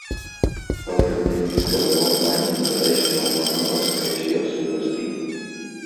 Cal que entenguis que l'amor mai impedeix que un home persegueixi el seu destí.